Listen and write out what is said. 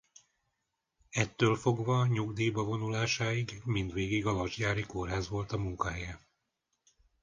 Ettől fogva nyugdíjba vonulásáig mindvégig a Vasgyári Kórház volt a munkahelye.